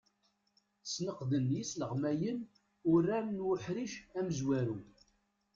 Sneqden yisleɣmayen urar n uḥric amezwaru.